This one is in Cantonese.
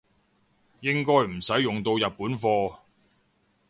應該唔使用到日本貨